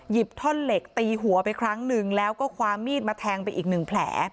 ท่อนเหล็กตีหัวไปครั้งหนึ่งแล้วก็คว้ามีดมาแทงไปอีกหนึ่งแผล